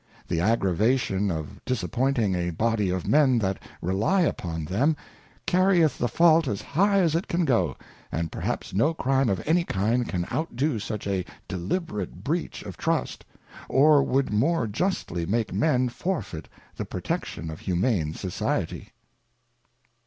The aggravation of disappointing a Body of Men that rely upon them, carrieth the Fault as high as it can go, and perhaps no Crime of any kind can outdo such a deliberate breach of Trust, or would more justly make Men forfeit the protection of humane Society.